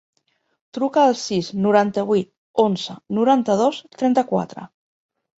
Truca al sis, noranta-vuit, onze, noranta-dos, trenta-quatre.